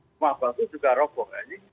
rumah bagus juga rokok